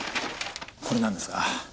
これなんですが。